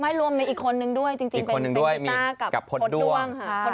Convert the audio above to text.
รวมมีอีกคนนึงด้วยจริงเป็นกีต้ากับพด้วงค่ะ